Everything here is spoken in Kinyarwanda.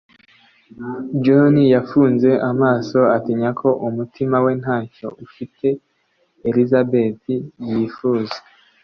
John yafunze amaso, atinya ko umutima we ntacyo ufite Elisabeth yifuza.